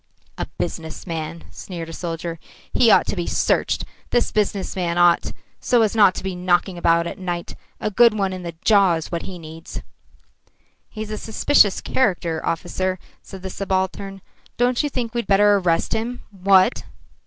"A business man," sneered a soldier. "He ought to be searched, this business man ought, so as not to be knocking about at night. A good one in the jaw is what he needs." "He's a suspicious character, officer," said the subaltern. "Don't you think we'd better arrest him, what?"